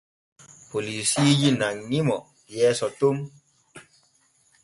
Polisiiji nanŋi mo yeeso ton.